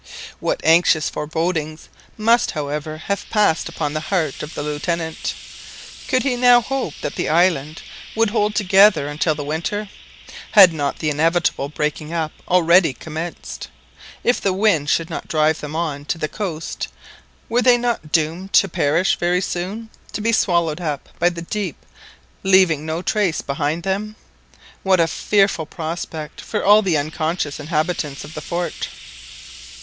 What anxious forebodings must, however, have pressed upon the heart of the Lieutenant. Could he now hope that the island would hold together until the winter? had not the inevitable breaking up already commenced? If the wind should not drive them on to the coast, were they not doomed to perish very soon, to be swallowed up by the deep, leaving no trace behind them? What a fearful prospect for all the unconscious inhabitants of the fort!